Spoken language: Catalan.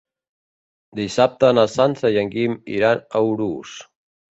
Dissabte na Sança i en Guim iran a Urús.